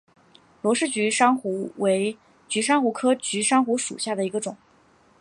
罗氏菊珊瑚为菊珊瑚科菊珊瑚属下的一个种。